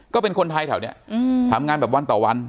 ก็เป็นคนไทยแถวนี้ทำงานแบบวันต่อวัน